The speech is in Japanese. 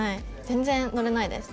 全然乗れないです。